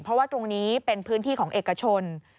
เพราะว่าตรงนี้เป็นพื้นที่ของเอกชน